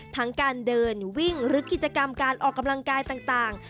ทั้งการเดินวิ่งหรือกิจกรรมการออกกำลังกายต่าง